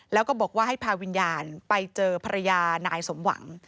แล้วก็บอกว่าให้พาวิญญาณไปเจอภรรยานายสมหวัง